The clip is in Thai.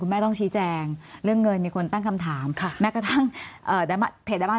แม่ต้องชี้แจงเรื่องเงินมีคนตั้งคำถามแม้กระทั่งเพจได้บ้าง